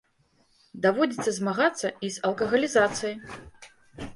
Даводзіцца змагацца і з алкагалізацыяй.